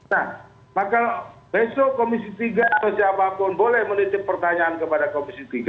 nah maka besok komisi tiga atau siapapun boleh menitip pertanyaan kepada komisi tiga